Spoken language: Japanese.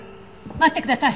待ってください！